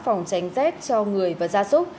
phòng tránh rét cho người và gia súc